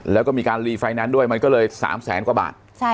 แล้วก็มีการรีไฟแนนซ์ด้วยมันก็เลย๓แสนกว่าบาท